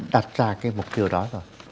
đặt ra cái mục tiêu đó rồi